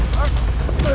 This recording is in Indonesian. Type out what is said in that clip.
kayaknya udah son